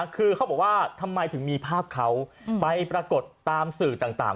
คือเขาบอกว่าทำไมถึงมีภาพเขาไปปรากฏตามสื่อต่าง